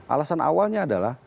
alasan awalnya adalah